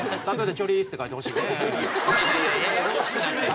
「チョリース」って書いておこうか。